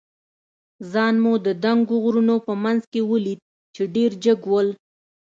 ځان مو د دنګو غرونو په منځ کې ولید، چې ډېر جګ ول.